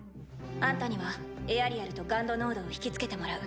あんたにはエアリアルとガンドノードを引き付けてもらう。